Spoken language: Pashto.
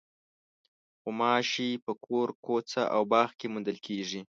غوماشې په کور، کوڅه او باغ کې موندل کېږي.